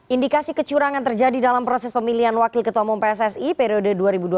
indikasi kecurangan terjadi dalam proses pemilihan wakil ketua umum pssi periode dua ribu dua puluh tiga dua ribu dua puluh tujuh